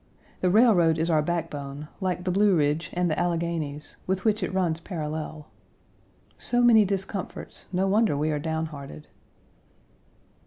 The railroad is our backbone, like the Blue Ridge and the Alleghanies, with which it runs parallel. So many discomforts, no wonder we are down hearted.